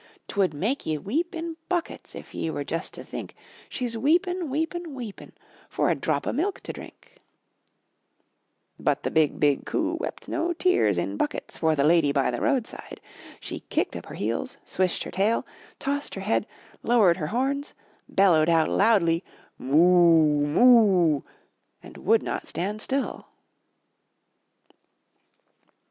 '"Twould make ye weep in buckets. If ye were just to think She's weepin', weepin', weepin'. For a drop o' milk to drink." 238 IN THE NURSERY But the BIG, BIG COO wept no tears in buckets for the lady by the roadside. She kicked up her heels, swished her tail, tossed her head, lowered her horns, bellowed out loudly, ''Moo oo, Moo ooT* and would not stand still.